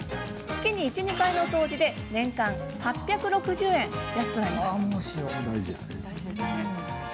月に１２回の掃除で年間８６０円安くなります。